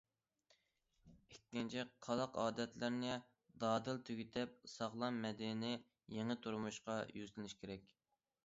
ئىككىنچى، قالاق ئادەتلەرنى دادىل تۈگىتىپ، ساغلام، مەدەنىي يېڭى تۇرمۇشقا يۈزلىنىش كېرەك.